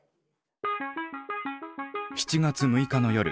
７月６日の夜